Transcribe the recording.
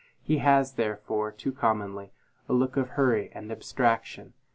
He has, therefore, too commonly, a look of hurry and abstraction.